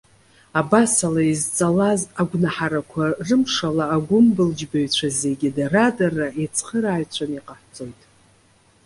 Абасала, изҵалаз агәнаҳарақәа рымшала, агәымбылџьбаҩцәа зегьы дара-дара иеицхырааҩцәаны иҟаҳҵоит.